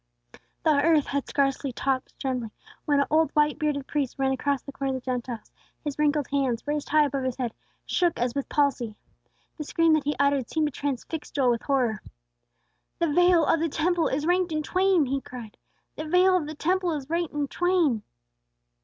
The earth had scarcely stopped trembling, when an old white bearded priest ran across the Court of the Gentiles; his wrinkled hands, raised above his head, shook as with palsy. The scream that he uttered seemed to transfix Joel with horror. "The veil of the Temple is rent in twain!" he cried, "_The veil of the Temple is rent in twain!